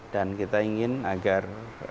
dan kita ingin agar